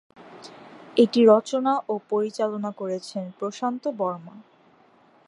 এটি রচনা ও পরিচালনা করেছেন প্রশান্ত বর্মা।